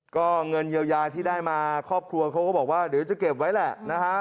ก็เงินเยียวยาที่ได้มาครอบครัวเขาก็บอกว่าเดี๋ยวจะเก็บไว้แหละนะฮะ